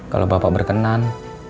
kalau bapak berkenan